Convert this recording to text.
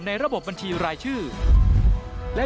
ระบบบัญชีรายชื่อ